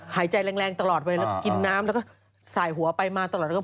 หายใจแรงตลอดเวลากินน้ำแล้วก็สายหัวไปมาตลอดว่า